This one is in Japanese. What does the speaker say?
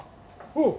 おう！